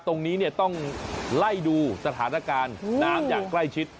ตรงนี้ต้องไล่ดูสถานการณ์น้ำอย่างใกล้ชิด